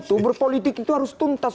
itu berpolitik itu harus tuntas